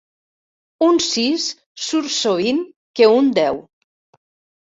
Un sis surt sovint que un deu.